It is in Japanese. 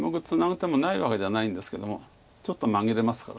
手もないわけじゃないんですけどちょっと紛れますから。